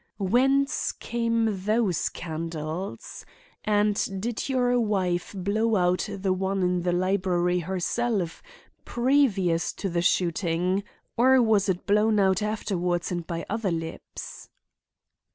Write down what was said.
Whence came those candles? And did your wife blow out the one in the library herself, previous to the shooting, or was it blown out afterward and by other lips?"